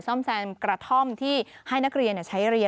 ซ่อมแซมกระท่อมที่ให้นักเรียนใช้เรียน